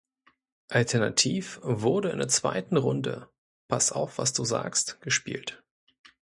Alternativ wurde in der zweiten Runde "Pass auf was Du sagst" gespielt.